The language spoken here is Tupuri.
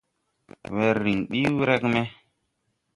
Wɛr rǐŋ ɓi wrɛg me.